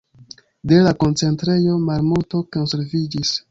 De la koncentrejo malmulto konserviĝis.